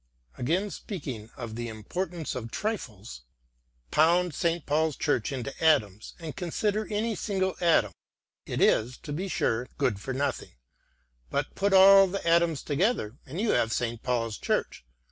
Again, speaking of the importance oj trifles :" Pound St. Paul's Church into atoms, and consider any single atom ; it is, to be sure, good for nothing ; but put all these atoms together and you have St. Paul's Church.